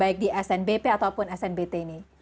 baik di snbp ataupun snbt ini